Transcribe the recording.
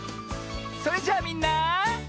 それじゃあみんな。